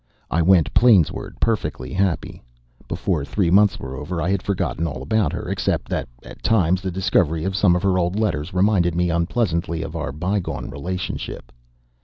I went Plainsward perfectly happy. Before three months were over I had forgotten all about her, except that at times the discovery of some of her old letters reminded me unpleasantly of our bygone relationship.